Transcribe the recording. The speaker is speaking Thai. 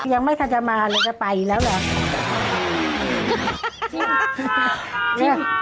ยังไม่ทันจะมาหรือจะไปแล้วเหรอ